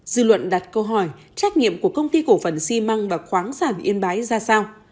dư luận đặt câu hỏi trách nhiệm của công ty cổ phần xi măng và khoáng sản yên bái ra sao